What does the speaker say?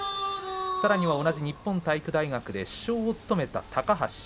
さらに同じ日本体育大学で主将を務めた高橋。